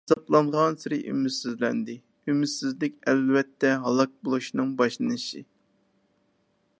ئازابلانغانسېرى ئۈمىدسىزلەندى. ئۈمىدسىزلىك ئەلۋەتتە ھالاك بولۇشنىڭ باشلىنىشى.